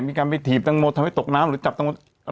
มีการไปถีบทั้งหมดทำให้ตกน้ำหรือจับทั้งหมด